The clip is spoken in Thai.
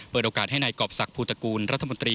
โอกาสให้นายกรอบศักดิภูตระกูลรัฐมนตรี